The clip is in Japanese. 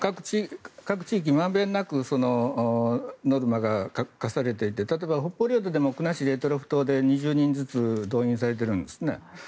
各地域、満遍なくノルマが課されていて例えば、北方領土でも国後島、択捉島で２０人ずつ動員されてるんですね。